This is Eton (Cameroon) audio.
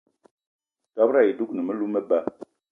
Dob-ro ayi dougni melou meba.